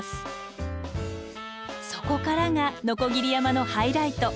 そこからが鋸山のハイライト。